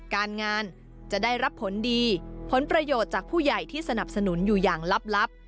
การงานจะได้รับผลดีผลประโยชน์จากผู้ใหญ่ที่สนับสนุนอยู่อย่างลับ